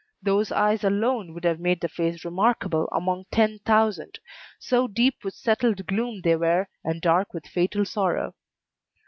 Those eyes alone would have made the face remarkable among ten thousand, so deep with settled gloom they were, and dark with fatal sorrow.